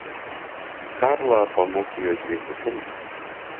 Карла памог ёй злезці з каня.